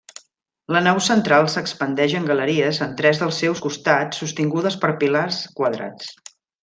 La nau central s'expandeix en galeries en tres dels seus costats sostingudes per pilars quadrats.